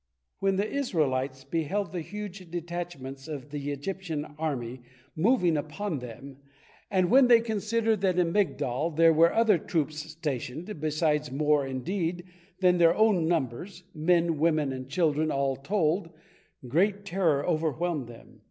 When the Israelites beheld the huge detachments of the Egyptian army moving upon them, and when they considered that in Migdol there were other troops stationed, besides, more, indeed, than their own numbers, men, women, and children all told, great terror overwhelmed them.